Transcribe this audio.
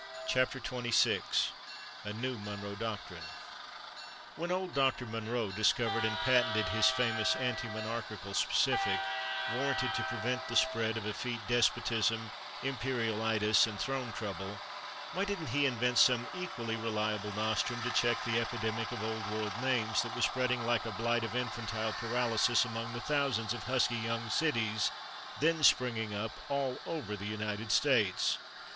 A NEW MONROE DOCTRINE When Old Doctor Monroe discovered and patented his famous anti monarchical specific, warranted to prevent the spread of Effete Despotism, Imperialitis and Throne Trouble, why didn't he invent some equally Reliable Nostrum to check the epidemic of Old World names that was spreading like a blight of infantile paralysis among the thousands of husky young cities then springing up all over the United States?